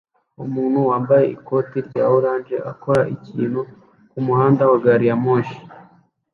Umuntu wambaye ikote rya orange akora ikintu kumuhanda wa gari ya moshi